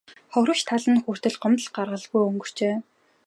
Хохирогч тал нь хүртэл гомдол гаргалгүй өнгөрчээ.